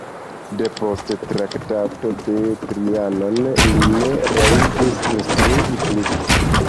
Depost Traktato de Trianon li ne rajtis instrui plu.